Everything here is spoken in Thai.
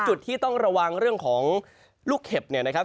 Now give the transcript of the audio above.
จุดที่ต้องระวังเรื่องของลูกเห็บเนี่ยนะครับ